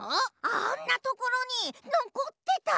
あんなところにのこってた！